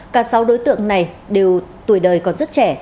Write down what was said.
cả sáu đối tượng này đều tuổi đời còn rất trẻ